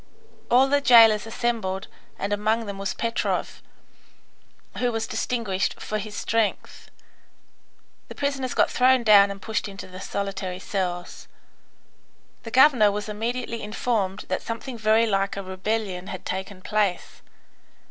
All the jailers assembled, and among them was Petrov, who was distinguished for his strength. The prisoners got thrown down and pushed into the solitary cells. The governor was immediately informed that something very like a rebellion had taken place.